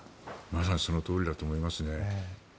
まさにそのとおりだと思いますね。